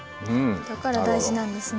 だから大事なんですね